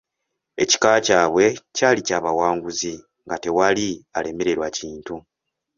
Ekika kyabwe kyali kya bawanguzi, nga tewali alemererwa kintu.